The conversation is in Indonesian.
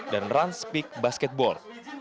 dan runs peak basketball